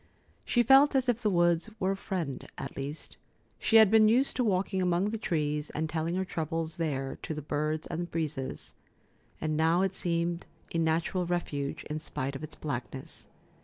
She felt as if the woods were a friend, at least. She had been used to walking among the trees and telling her troubles there to the birds and breezes, and now it seemed a natural refuge, in spite of its blackness.